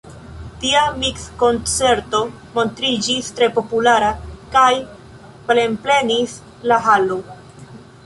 Tia miks-koncerto montriĝis tre populara kaj plenplenis la halo.